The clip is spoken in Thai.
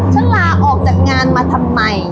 ลาออกจากงานมาทำไม